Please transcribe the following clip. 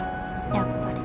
やっぱり。